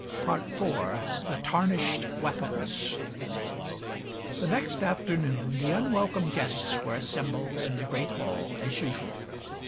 IV. THE TARNISHED WEAPONS The next afternoon the unwelcome guests were assembled in the great hall as usual.